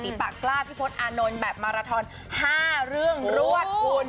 ปากกล้าพี่พศอานนท์แบบมาราทอน๕เรื่องรวดคุณ